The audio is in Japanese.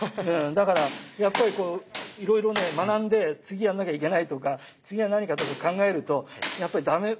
だからやっぱりこういろいろね学んで次やんなきゃいけないとか次は何かとか考えるとやっぱりダメ。